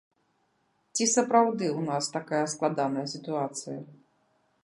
Ці сапраўды ў нас такая складаная сітуацыя?